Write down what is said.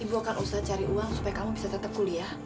ibu akan usah cari uang supaya kamu bisa tetap kuliah